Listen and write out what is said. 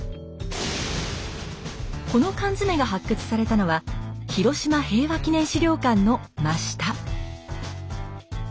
この缶詰が発掘されたのは広島平和記念資料館の真下。